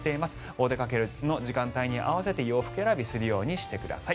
お出かけの時間帯に合わせて洋服選びするようにしてください。